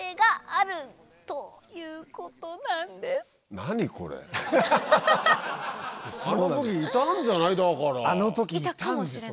あの時いたんじゃない？だから。